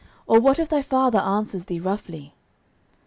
or what if thy father answer thee roughly?